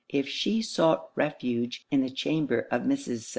If she sought refuge in the chamber of Mrs. St.